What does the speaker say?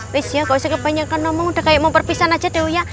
wis ya gak usah kebanyakan omong udah kayak mau perpisahan aja deh uya